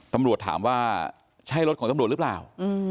ตำรวจถามว่าใช่รถของตำรวจหรือเปล่า